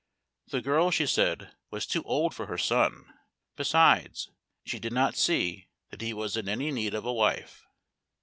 The girl, she said, was too old for her son, besides, she did not see that he was in any need of a wife.